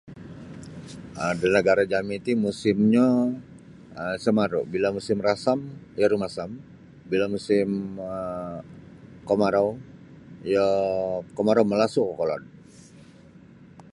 um da nagara' jami' ti musimnyo um sa maru' bila musim rasam iyo rumasam bila musim um komarau iyo komarau malasu' kokolod.